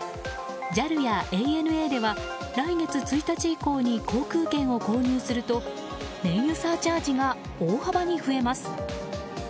ＪＡＬやＡＮＡでは来月１日以降に航空券を購入すると燃油サーチャージが大幅に増えます。